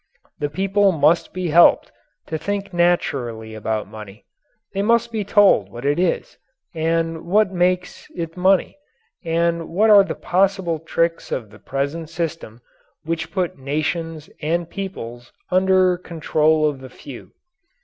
The people must be helped to think naturally about money. They must be told what it is, and what makes it money, and what are the possible tricks of the present system which put nations and peoples under control of the few.